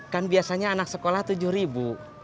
kan biasanya anak sekolah tujuh ribu